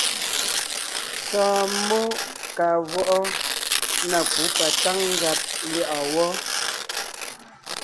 Sɔ̀ɔn mmó kàa vwɔʼɔ na kǔ patáŋ nzàb lyɛ̌ʼɔɔn wɔ́.